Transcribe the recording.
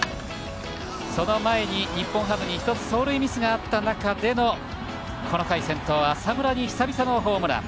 その前に日本ハムに一つ、走塁ミスがあった中でのこの回、先頭、浅村に久々のホームラン。